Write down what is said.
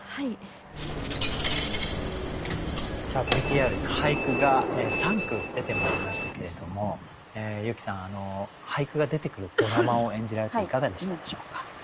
さあＶＴＲに俳句が３句出てまいりましたけれども由紀さん俳句が出てくるドラマを演じられていかがでしたでしょうか？